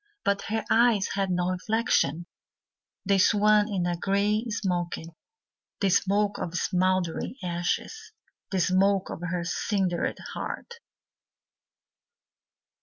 But her eyes had no reflection, They swam in a grey smoke, The smoke of smouldering ashes, The smoke of her cindered heart.